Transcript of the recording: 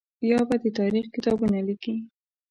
یا به د تاریخ کتابونه لیکي.